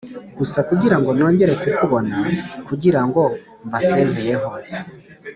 gusa kugirango nongere kukubona, kugirango mbasezeyeho.